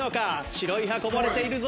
白い歯こぼれているぞ。